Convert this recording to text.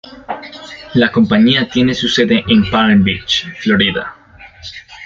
La compañía tiene su sede en Palm Beach, Florida.